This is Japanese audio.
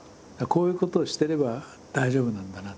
こういうことをしてれば大丈夫なんだな。